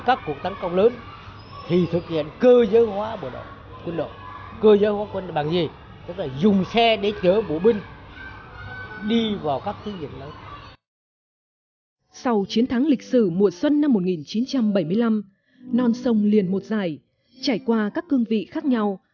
sau chiến thắng lịch sử mùa xuân năm một nghìn chín trăm bảy mươi năm non sông liền một dài trải qua các cương vị khác nhau